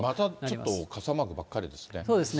またちょっと傘マークばっかりですね。